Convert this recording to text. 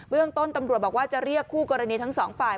เรื่องต้นตำรวจบอกว่าจะเรียกคู่กรณีทั้งสองฝ่าย